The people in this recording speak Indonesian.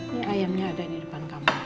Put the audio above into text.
ini ayamnya ada di depan kamar